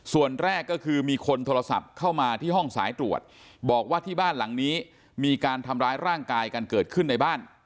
ส่วนแรกก็คือมีคนโทรศัพท์เข้ามาที่ห้องสายตรวจบอกว่าที่บ้านหลังนี้มีการทำร้ายร่างกายกันเกิดขึ้นในบ้าน